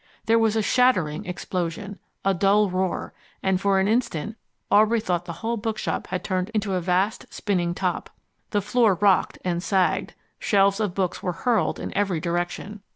There was a shattering explosion, a dull roar, and for an instant Aubrey thought the whole bookshop had turned into a vast spinning top. The floor rocked and sagged, shelves of books were hurled in every direction.